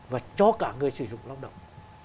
và cho cả người sử dụng lao động